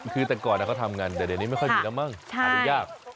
คือแต่ก่อนเขาทำงานแต่เดี๋ยวนี้ไม่ค่อยมีกันบ้างหรือยากใช่